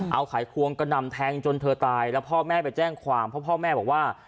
เอาไขควงกระนำแทงจนเธอตายแล้วพ่อแม่ไปแจ้งความเพราะพ่อแม่บอกว่า